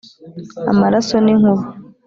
amaraso n'inkuba